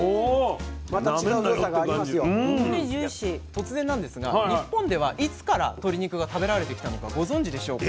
突然なんですが日本ではいつから鶏肉が食べられてきたのかご存じでしょうか。